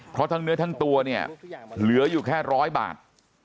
เพราะทั้งเนื้อทั้งตัวเนี่ยเหลืออยู่แค่๑๐๐บาท